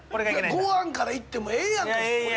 ごはんからいってもええやんか！